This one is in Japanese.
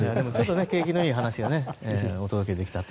景気のいい話がお届けできたと。